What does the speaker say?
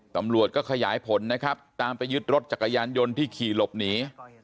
ตำรวจก็ขยายผลนะครับตามไปยึดรถจักรยานยนต์ที่ขี่หลบหนี